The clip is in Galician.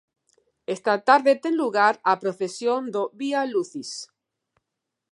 Esta tarde ten lugar a procesión do Vía Lucis.